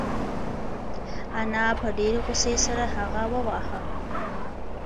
انا په ډېرې غوسې سره هغه وواهه.